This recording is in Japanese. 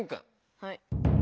はい。